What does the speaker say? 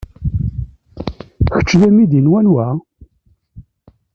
Kečč d amidi n wanwa?